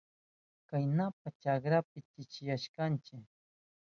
Kaynapas chakrapi chishiyashkanchi.